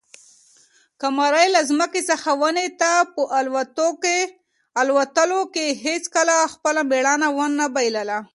قمرۍ له ځمکې څخه ونې ته په الوتلو کې هیڅکله خپله مړانه ونه بایلله.